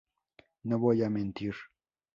No voy a mentir.